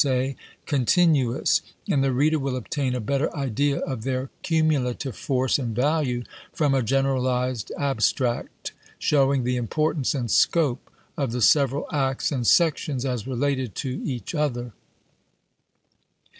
— 7 98 ABKAHAM LINCOLN Chap. V. say, continuous, and the reader will obtain a better idea of their cumulative force and value from a 1862. generalized abstract, showing the importance and scope of the several acts and sections as related to each other.